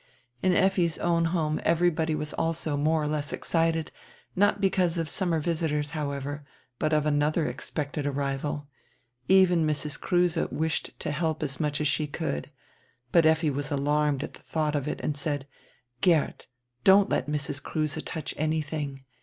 In Effi's own home everybody was also more or less excited, not because of summer visitors, however, but of another expected arrival. Even Mrs. Kruse wished to help as much as she could. But Effi was alarmed at die thought of it and said: "Geert, don't let Mrs. Kruse touch any thing.